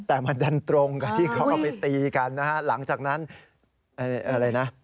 แต่มันให้ตรงกับที่เขาก็ไปตีกันหลังจากนั้น